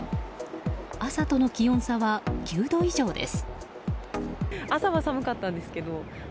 朝との気温差は９度以上です。